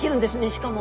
しかも。